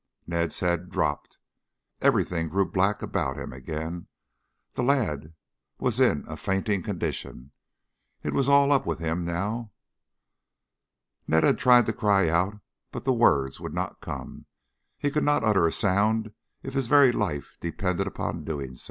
Ned's head dropped. Everything grew black about him again. The lad was in a fainting condition. It was all up with him now. Ned had tried to cry out, but the words would not come. He could not utter a sound if his very life depended upon so doing.